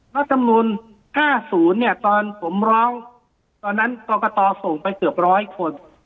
เมื่อสมุน๕๐เนี่ยตอนผมร้องตอนนั้นปรากฎต่อส่งไปเกือบร้อยคน